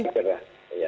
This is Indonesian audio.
ya kita akan lihat